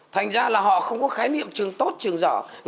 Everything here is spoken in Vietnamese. thành ra là họ không có khái niệm trường tốt trường